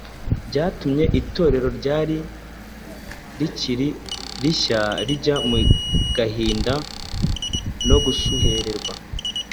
byatumye Itorero ryari rikiri rishya rijya mu gahinda no gusuhererwa.